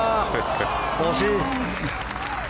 惜しい！